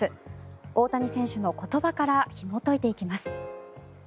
大谷選手の言葉からひもといていきます。